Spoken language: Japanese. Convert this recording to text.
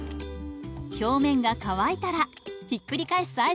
表面が乾いたらひっくり返す合図です。